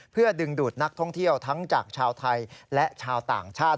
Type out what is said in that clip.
เพื่อดึงดูดนักท่องเที่ยวทั้งจากชาวไทยและชาวต่างชาติ